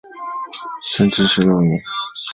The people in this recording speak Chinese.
顺治十六年任杭嘉湖道。